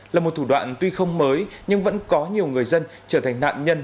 là một thủ đoạn tuy không mới nhưng vẫn có nhiều người dân trở thành nạn nhân